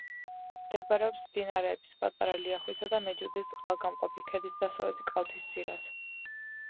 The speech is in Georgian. მდებარეობს მდინარეების პატარა ლიახვისა და მეჯუდის წყალგამყოფი ქედის დასავლეთი კალთის ძირას.